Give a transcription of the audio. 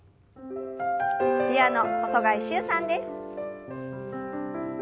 ピアノ細貝柊さんです。